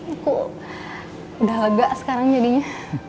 aku udah lega sekarang jadinya